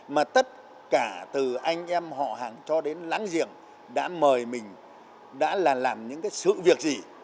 mà tất cả từ anh em họ hàng cho đến lãng giềng đã mời mình đã là làm những cái sự việc gì